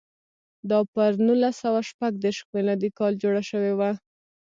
دا پر نولس سوه شپږ دېرش میلادي کال جوړه شوې وه.